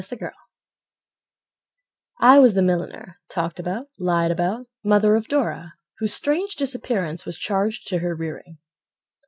Mrs. Williams I was the milliner Talked about, lied about, Mother of Dora, Whose strange disappearance Was charged to her rearing.